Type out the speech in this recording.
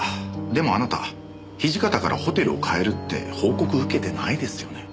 でもあなた土方からホテルを変えるって報告受けてないですよね？